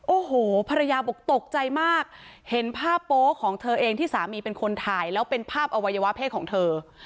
โอ้โหภรรยาบอกตกใจมากเห็นภาพโป๊ของเธอเองที่สามีเป็นคนถ่ายแล้วเป็นภาพอวัยวะเพศของเธอ